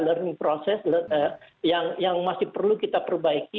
learning proses yang masih perlu kita perbaiki